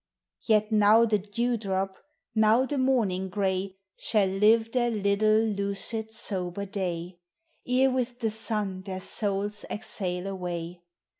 Yet now the dew drop, now the morning gray Shall live their little lucid, sober day; Ere with the Sun their souls exhale away.